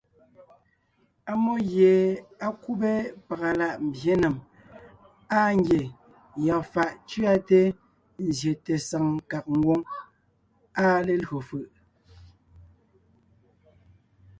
Ammó gie á kúbe pàga láʼ mbyěnèm, áa ngie yɔɔn fàʼ cʉate nzyete saŋ kàg ngwóŋ, áa lelÿò fʉ̀ʼ.